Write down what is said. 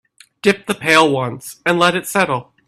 Dip the pail once and let it settle.